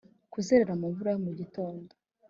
kuzerera mu mvura yo mu gitondo